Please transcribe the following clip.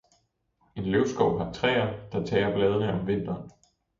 En løvskov har træer, der tager bladene om vinteren.